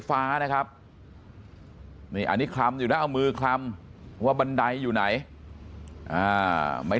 ฟ้านะครับนี่อันนี้คลำอยู่นะเอามือคลำว่าบันไดอยู่ไหนไม่